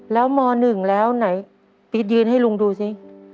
แล้วม๑แล้วไหนปี๊ดยืนให้ลุงดูสิ